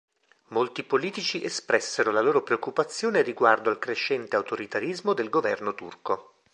Molti politici espressero la loro preoccupazione riguardo al crescente autoritarismo del governo turco.